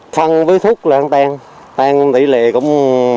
phân với thúc là tên tên tỷ lệ cũng năm